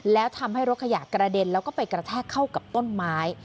แล้วทำให้รถขยะกระเด็นแล้วก็ไปกระแทกเข้ากับต้นไม้